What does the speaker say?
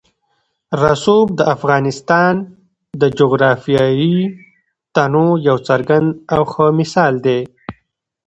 رسوب د افغانستان د جغرافیوي تنوع یو څرګند او ښه مثال دی.